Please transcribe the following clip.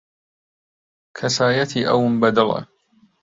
کەسایەتیی ئەوم بەدڵە.